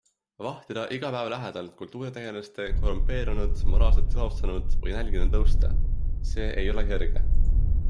Vahtida iga päev lähedalt kultuuritegelase korrumpeerunud, moraalselt laostunud või nälginud lõusta, see ei ole kerge.